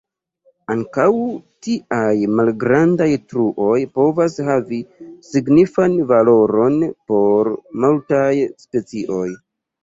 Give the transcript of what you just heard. Ankaŭ tiaj malgrandaj truoj povas havi signifan valoron por multaj specioj.